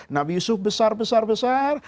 nabi yusuf besar besar besar